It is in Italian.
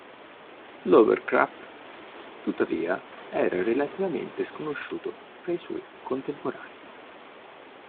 Lovecraft, tuttavia, era relativamente sconosciuto fra i suoi contemporanei.